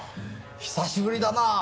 久しぶりだなあ。